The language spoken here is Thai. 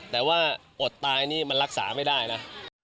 แต่ว่าอดตายนี่มันรักษาไม่ได้นะ